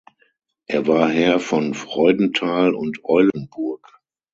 Er war Herr von Freudenthal und Eulenburg.